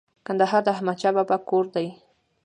کندهار د احمد شاه بابا کور دی